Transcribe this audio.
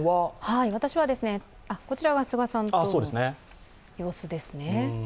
こちらは菅さんとの様子ですね。